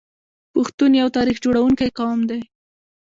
پښتون یو تاریخ جوړونکی قوم دی.